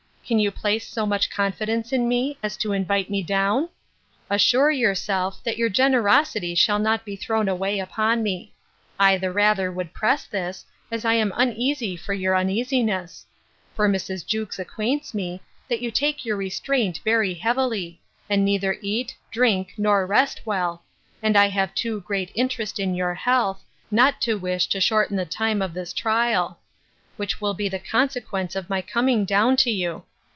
Can you place so much confidence in me, as to invite me down? Assure yourself, that your generosity shall not be thrown away upon me. I the rather would press this, as I am uneasy for your uneasiness; for Mrs. Jewkes acquaints me, that you take your restraint very heavily; and neither eat, drink, nor rest well; and I have too great interest in your health, not to wish to shorten the time of this trial; which will be the consequence of my coming down to you.